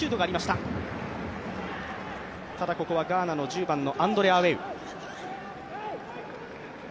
ただ、ここはガーナの１０番のアンドレ・アイェウ。